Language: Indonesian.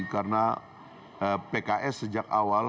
karena pks sejak awal